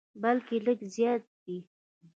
بلکې لږ زیات دي.